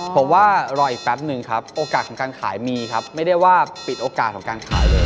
ผมว่ารออีกแป๊บหนึ่งครับโอกาสของการขายมีครับไม่ได้ว่าปิดโอกาสของการขายเลย